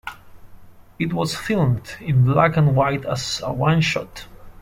It was filmed in black and white as a one shot.